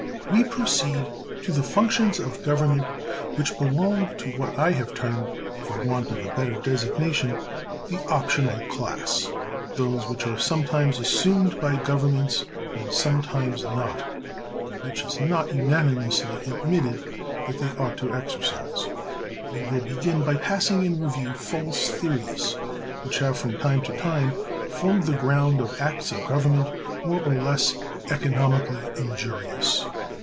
We proceed to the functions of government which belong to what I have termed, for want of a better designation, the optional class; those which are sometimes assumed by governments and sometimes not, and which it is not unanimously admitted that they ought to exercise. We will begin by passing in review false theories which have from time to time formed the ground of acts of government more or less economically injurious.